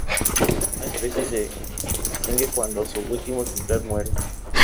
Una especie se extingue cuando su último ejemplar muere.